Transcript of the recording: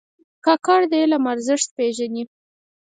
کاکړ د علم ارزښت پېژني.